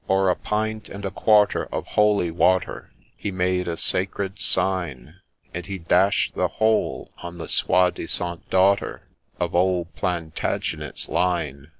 O'er a pint and a quarter of holy water, He made a sacred sign ; And he dash'd the whole on the soi disant daughter Of old Plantagenet's line